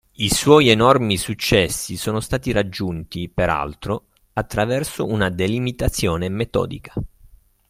I suoi enormi successi sono stati raggiunti, peraltro, attraverso una delimitazione metodica.